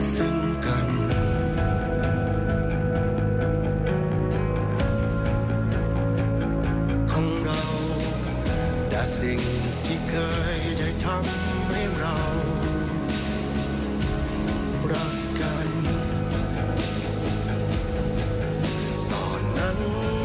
ซึ่งกันของเราแต่สิ่งที่เคยได้ทำให้เรารักกันตอนนั้น